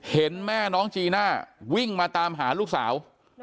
เห็นแม่น้องจีน่าวิ่งมาตามหาลูกสาว